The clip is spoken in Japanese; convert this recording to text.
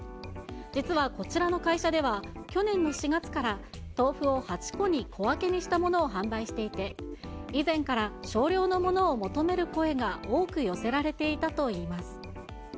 実はこちらの会社では、去年の４月から豆腐を８個に小分けにしたものを販売していて、以前から少量のものを求める声が多く寄せられていたといいます。